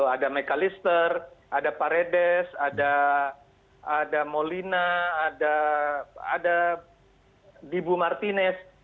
ada mechalister ada paredes ada molina ada dibu martinez